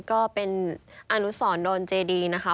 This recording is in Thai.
ก็เป็นอนุสรโดนเจดีนะคะ